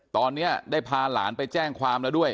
ตอนนี้ได้พาหลานไปแจ้งความแล้วด้วย